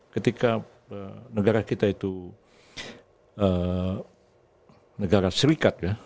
ketika negara kita itu negara serikat ya